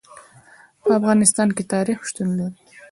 په افغانستان کې تاریخ شتون لري.